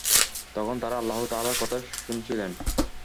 তখন তারা আল্লাহ তাআলার কথা শুনছিলেন।